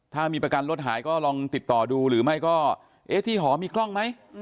ถ้ามีประกันรถหายก็ลองติดต่อดูหรือไม่ก็เอ๊ะที่หอมีกล้องไหม